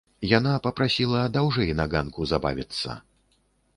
Яна папрасіла даўжэй на ганку забавіцца.